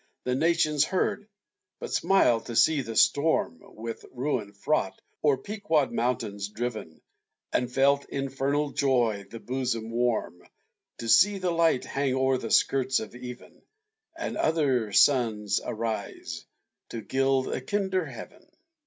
The nations heard; but smiled, to see the storm, With ruin fraught, o'er Pequod mountains driven And felt infernal joy the bosom warm, To see their light hang o'er the skirts of even, And other suns arise, to gild a kinder heaven.